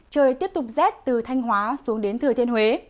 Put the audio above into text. trời tiếp tục rét từ thanh hóa xuống đến thừa thiên huế